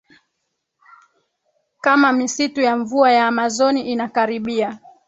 kama misitu ya mvua ya Amazon inakaribia